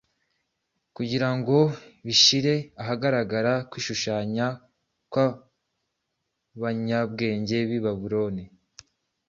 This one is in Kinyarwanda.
kugira ngo bishyire ahagaragara kwishushanya kw’abanyabwenge b’i Babuloni.